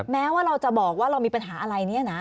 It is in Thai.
แม้ว่าเราจะบอกว่าเรามีปัญหาอะไรเนี่ยนะ